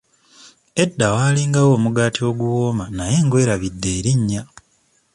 Edda waalingawo omugaati oguwoma naye ngwerabidde erinnya.